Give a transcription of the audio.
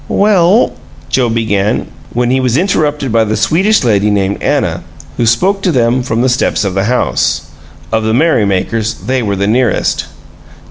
"Well " Joe began, when he was interrupted by the Swedish lady named Anna, who spoke to them from the steps of the house. Of the merrymakers they were the nearest.